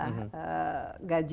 nah ini bagaimana bsi